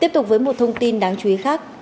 tiếp tục với một thông tin đáng chú ý khác